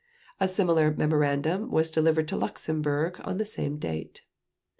A similar memorandum was delivered to Luxembourg on the same date.